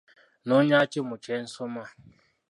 Nnoonya ki mu kye nsoma?